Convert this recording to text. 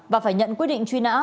và phải nhận quyết định truy nã